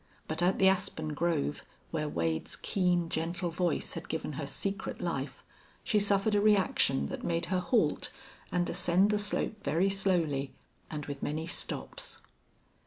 But at the aspen grove, where Wade's keen, gentle voice had given her secret life, she suffered a reaction that made her halt and ascend the slope very slowly and with many stops.